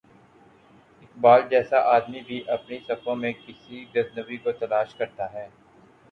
اقبال جیسا آدمی بھی اپنی صفوں میں کسی غزنوی کو تلاش کرتا ہے۔